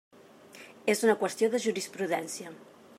És una qüestió de jurisprudència.